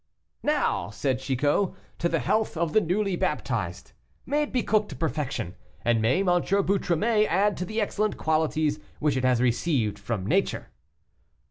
"Now," said Chicot, "to the health of the newly baptized; may it be cooked to perfection, and may M. Boutromet add to the excellent qualities which it has received from nature."